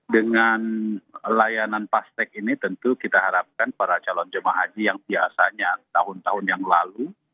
dengan layanan pastek ini tentu kita harapkan para calon jemaah haji yang biasanya tahun tahun yang lalu